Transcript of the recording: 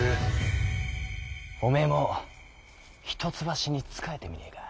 おめえも一橋に仕えてみねえか？